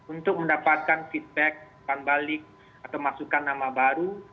untuk mendapatkan feedback pembalik atau memasukkan nama baru